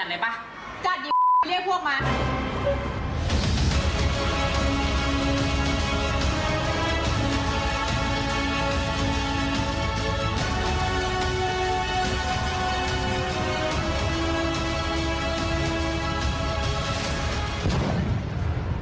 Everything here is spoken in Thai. อันนั้นแหละตาอันนั้นด้วยเก็บเลย